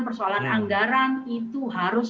persoalan anggaran itu harus